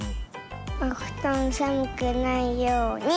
おふとんさむくないように！